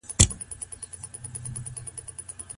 حاکم ته کوم مسئوليتونه متوجه دي؟